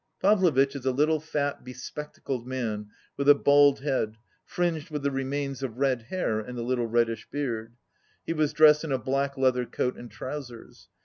Pavlovitch is a little, fat, spectacled man with a bald head, fringed with the remains of red hair, and a little reddish beard. He was dressed in a black leather coat and trousers.